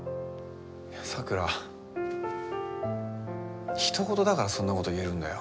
咲良ひと事だからそんなこと言えるんだよ。